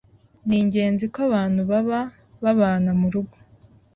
Ni ingenzi ko abantu baba babana mu rugo